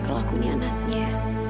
kalau aku ini anaknya